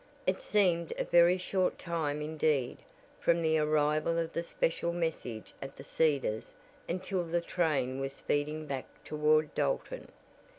It seemed a very short time indeed, from the arrival of the special message at the Cedars until the train was speeding back toward Dalton.